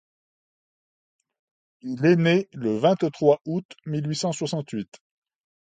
Il est né le vingt-trois août mil huit cent soixante-huit.